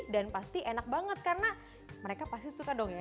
dan pasti enak banget karena mereka pasti suka dong ya